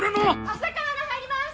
浅川アナ入ります！